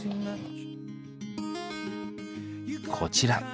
こちら。